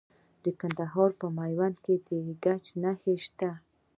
د کندهار په میوند کې د ګچ نښې شته.